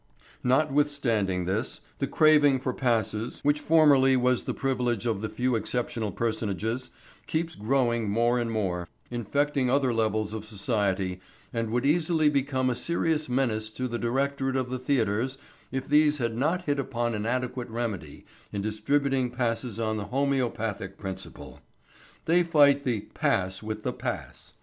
Notwithstanding this, the craving for passes, which formerly was the privilege of the few exceptional personages, keeps growing more and more, infecting other levels of society, and would easily become a serious menace to the directorate of the theatres if these had not hit upon an adequate remedy in distributing passes on the homœopathic principle. They fight the "pass with the pass."